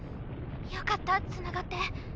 よかったつながって。